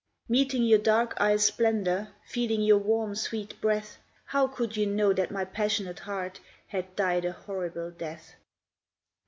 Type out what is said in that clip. Meeting your dark eyes' splendour, Feeling your warm, sweet breath, How could you know that my passionate heart Had died a horrible death?